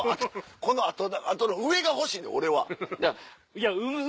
この跡の上が欲しいの俺は。